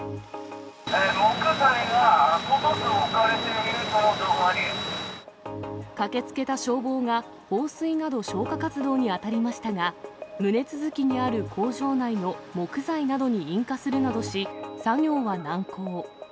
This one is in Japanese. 木材が置かれているとの情報駆けつけた消防が、放水など、消火活動に当たりましたが、棟続きにある工場内の木材などに引火するなどし、作業は難航。